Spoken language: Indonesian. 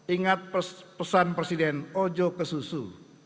ingat pesan presiden ojo kesusu